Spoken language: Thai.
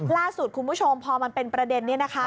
ล่าสุดคุณผู้ชมพอมันเป็นประเด็นนี้นะคะ